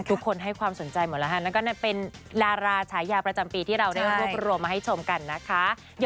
ทุกคนให้ความสนใจหมดแล้วค่ะนั่นก็นั่นเป็นดาราฉายาประจำปีที่เราได้รวบรวมมาให้ชมกันนะคะ